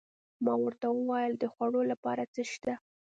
ما ورته وویل: د خوړو لپاره څه شته؟